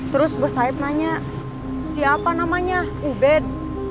terus bos saya nanya siapa namanya ubed